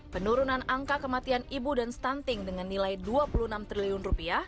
penurunan angka kematian ibu dan stunting dengan nilai dua puluh enam triliun rupiah